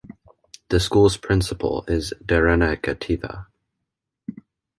The school's principal is Darena Gateva.